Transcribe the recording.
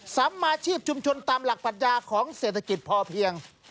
สำอาชีพชุมชนตามหลักปัญญาของเศรษฐกิจพอเพียง